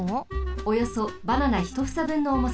およそバナナ１ふさぶんのおもさです。